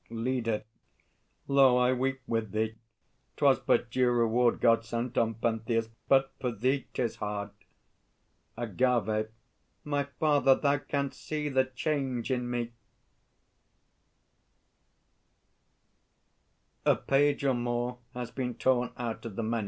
LEADER. Lo, I weep with thee. 'Twas but due reward God sent on Pentheus; but for thee ... 'Tis hard. AGAVE. My father, thou canst see the change in me, [_A page or more has here been torn out of the MS.